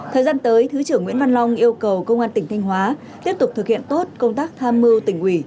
thời gian tới thứ trưởng nguyễn văn long yêu cầu công an tỉnh thanh hóa tiếp tục thực hiện tốt công tác tham mưu tỉnh ủy